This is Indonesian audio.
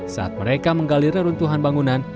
saat mereka menggali reruntuhan bangunan